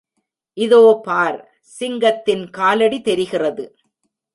இதோ பார், சிங்கத்தின் காலடி தெரிகிறது.